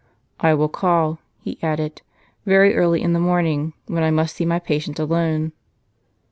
" I will call," he added, " very early in the morning, when I must see my patient alone."